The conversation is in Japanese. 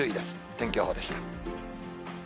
天気予報でした。